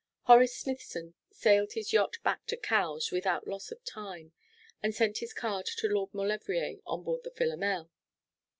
Horace Smithson sailed his yacht back to Cowes without loss of time, and sent his card to Lord Maulevrier on board the Philomel.